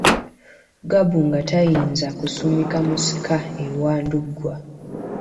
Gabunga tayinza kusumika Musika ewa Ndugwa.